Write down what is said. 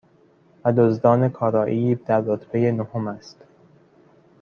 و دزدان کاراییب در رتبه نهم است